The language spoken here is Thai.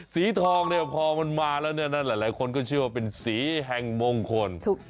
สีทองเนี่ยพอมันมาแล้วเนี่ยนะหลายคนก็เชื่อว่าเป็นสีแห่งมงคล